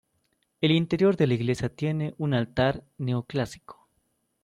El interior de la iglesia tiene un altar neoclásico.